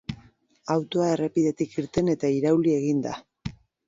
Autoa errepidetik irten eta irauli egin da.